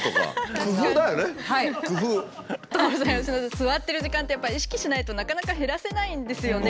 座ってる時間ってやっぱり意識しないとなかなか減らせないんですよね。